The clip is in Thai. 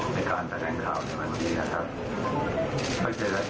ในการแสดงข่าวสำหรับมันตรงนี้ครับ